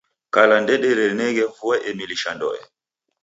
Kala ndedereneghe vua emilisha ndoe.